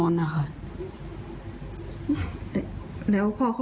เมาค่ะ